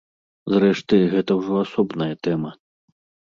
Зрэшты, гэта ўжо асобная тэма.